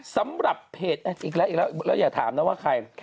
สำหรับเพจอีกแล้วอีกแล้วแล้วอย่าถามนะว่าใคร